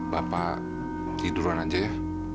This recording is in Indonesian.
bapak tiduran aja ya